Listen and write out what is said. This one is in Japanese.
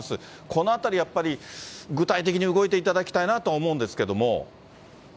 このあたり、やっぱり具体的に動いていただきたいなと思うんですけれども。